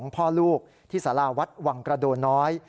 พ่อลูกที่สาราวัดวังกระโดนน้อย